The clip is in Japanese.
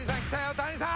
谷さん！